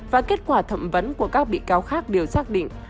và kết quả thẩm vấn của các bị cáo khác đều xác định